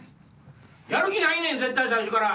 やる気ないねん絶対最初から。